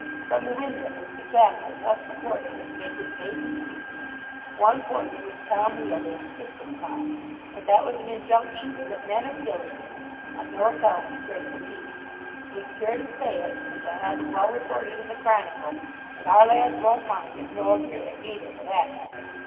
From the windows, the captain, thus supported, was to make his maiden speech, one point in which Tom Wealdon insisted upon, and that was an injunction to the 'men of Gylingden' on no account to break the peace. 'Take care to say it, and we'll have it well reported in the "Chronicle," and our lads won't mind it, nor hear it neither, for that matter.'